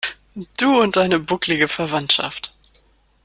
Du und deine bucklige Verwandschaft.